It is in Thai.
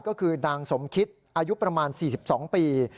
ก็คือนางสมคิดอายุประมาณ๔๒ปี